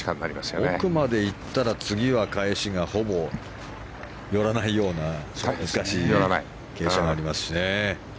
奥まで行ったら次は返しが寄らないような傾斜がありますしね。